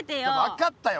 分かったよ